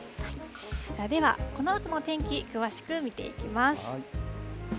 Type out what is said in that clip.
では、このあとの天気、詳しく見ていきます。